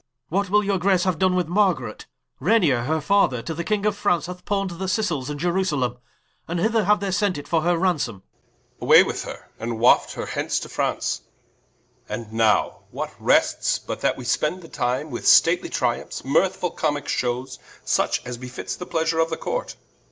What will your Grace haue done with Margaret, Reynard her Father, to the King of France Hath pawn'd the Sicils and Ierusalem, And hither haue they sent it for her ransome King. Away with her, and waft her hence to France: And now what rests, but that we spend the time With stately Triumphes, mirthfull Comicke shewes, Such as befits the pleasure of the Court.